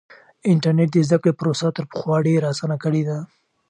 انټرنیټ د زده کړې پروسه تر پخوا ډېره اسانه کړې ده.